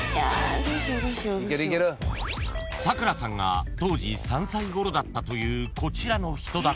［咲楽さんが当時３歳ごろだったというこちらの人だかり］